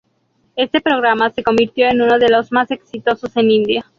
Este programa se convirtió en uno de las más exitosos en India.